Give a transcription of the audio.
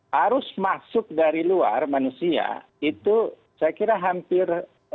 harus masuk dari luar manusia itu saya kira hampir